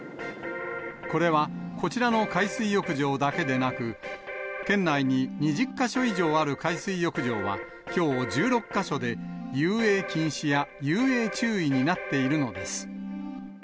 これは、こちらの海水浴場だけでなく、県内に２０か所以上ある海水浴場は、きょう１６か所で遊泳禁止や遊泳注意になっているのです。